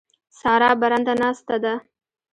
سارا برنده ناسته ده.